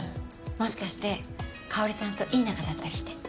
もしかして香織さんといい仲だったりして。